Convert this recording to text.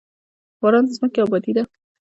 باران د ځمکې ابادي ده.